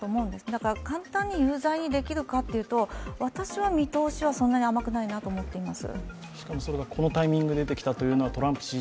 だから簡単に有罪にできるかというと私は見通しはそんなに甘くないなと思っています。